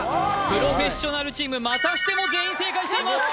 プロフェッショナルチームまたしても全員正解しています！